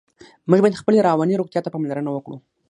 موږ باید خپلې رواني روغتیا ته پاملرنه وکړو.